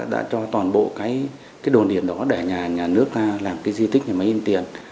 đã cho toàn bộ cái đồn điền đó để nhà nước ta làm cái di tích nhà máy in tiền